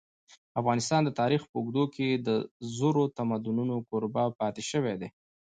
افغانستان د تاریخ په اوږدو کي د زرو تمدنونو کوربه پاته سوی دی.